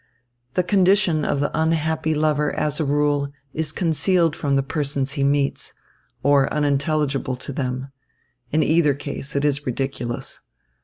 The condition of the unhappy lover, as a rule, is concealed from the persons he meets, or unintelligible to them. In either case it is ridiculous.